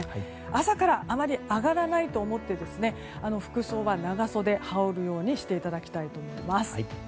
朝からあまり上がらないと思って服装は長袖を羽織るようにしていただきたいと思います。